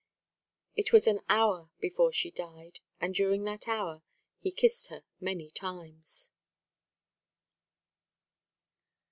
It was an hour before she died, and during that hour he kissed her many times.